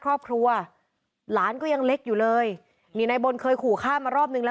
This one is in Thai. ครอบครัวหลานก็ยังเล็กอยู่เลยนี่นายบนเคยขู่ฆ่ามารอบนึงแล้ว